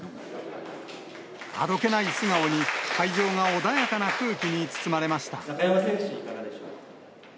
あどけない素顔に、会場が穏やかな空気に包まれました。